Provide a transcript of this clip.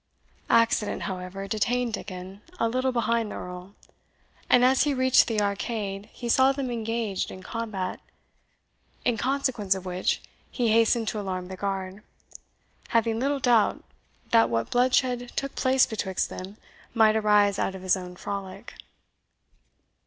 Accident, however, detained Dickon a little behind the Earl, and as he reached the arcade he saw them engaged in combat; in consequence of which he hastened to alarm the guard, having little doubt that what bloodshed took place betwixt them might arise out of his own frolic.